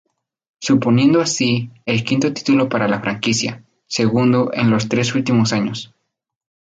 Suponiendo así, el quinto título para la franquicia, segundo en los tres últimos años.